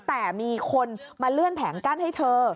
แต่มีคนมาเลื่อนแผงกั้นให้เธอ